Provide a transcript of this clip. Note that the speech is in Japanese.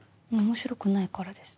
面白くないからです。